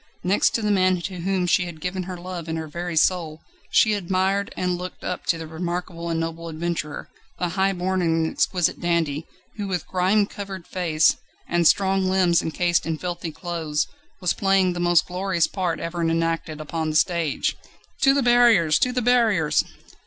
Next to the man to whom she had given her love and her very soul she admired and looked up to the remarkable and noble adventurer, the high born and exquisite dandy, who with grime covered face, and strong limbs encased in filthy clothes, was playing the most glorious part ever enacted upon the stage. "To the barriers to the barriers!"